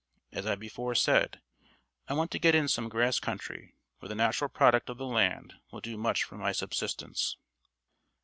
As I before said, I want to get in some grass country where the natural product of the land will do much for my subsistence